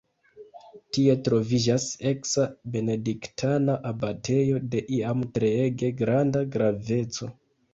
Tie troviĝas eksa benediktana abatejo de iam treege granda graveco.